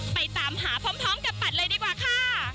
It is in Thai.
ไปตามหาพร้อมกับปัดเลยดีกว่าค่ะ